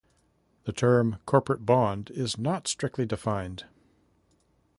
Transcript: The term "corporate bond" is not strictly defined.